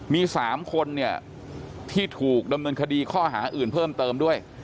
มี๓คนเนี่ยที่ถูกดำเนินคดีข้อหาอื่นเพิ่มเติมด้วย